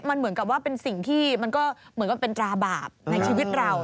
มันเหมือนกับว่าเป็นสิ่งที่มันก็เหมือนกับเป็นตราบาปในชีวิตเรา